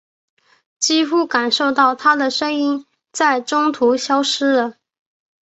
几乎感受到她的声音在中途消失了。